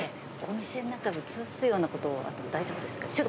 お店の中映すようなことあっても大丈夫ですか？